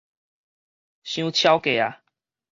傷超過矣